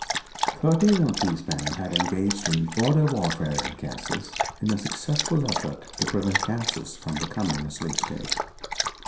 Thirteen of these men had engaged in border warfare in Kansas, in a successful effort to prevent Kansas from becoming a slave state.